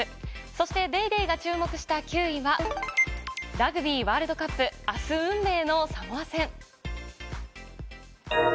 そして『ＤａｙＤａｙ．』が注目した９位は、ラグビーワールドカップ、あす運命のサモア戦。